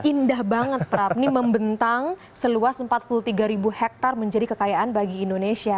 indah banget prap ini membentang seluas empat puluh tiga ribu hektare menjadi kekayaan bagi indonesia